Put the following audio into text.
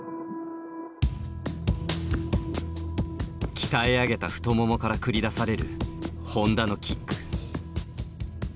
鍛え上げた太ももから繰り出される本多のキック。